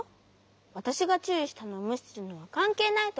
わたしがちゅういしたのをむしするのはかんけいないとおもうし。